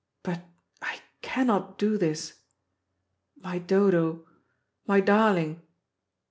But I cannot do this. My Dodo, my darling."